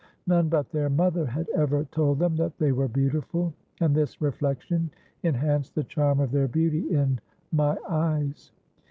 None but their mother had ever told them that they were beautiful; and this reflection enhanced the charm of their beauty in my eyes.